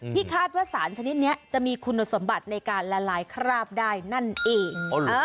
คาดว่าสารชนิดนี้จะมีคุณสมบัติในการละลายคราบได้นั่นเอง